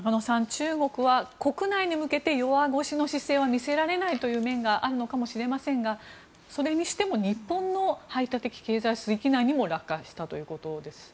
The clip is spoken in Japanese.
中国は国内に向けて弱腰の姿勢は見せられないという面があるのかもしれませんがそれにしても日本の排他的経済水域内にも落下したということです。